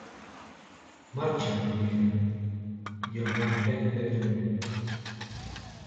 "Marxa" va dir ella, i el va empènyer dèbilment.